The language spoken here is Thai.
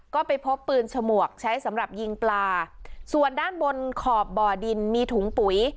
ก็ไปพบปืนฉมวกใช้สำหรับยิงปลาส่วนด้านบนขอบบ่อดินมีถุงปุ๋ย